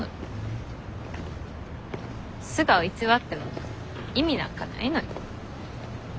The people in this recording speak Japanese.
素顔偽っても意味なんかないのに。